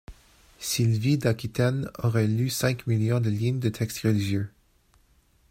Sylvie d'Aquitaine aurait lu cinq millions de lignes de textes religieux.